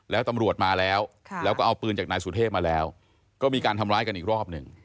แล้วตำรวจมาแล้วแล้วก็เอาปืนจากนายสุเทพมาแล้วก็มีการทำร้ายกันอีกรอบหนึ่ง